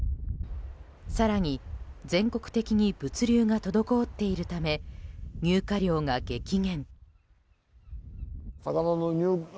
更に、全国的に物流が滞っているため入荷量が激減。